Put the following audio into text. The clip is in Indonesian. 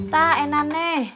tante enak nih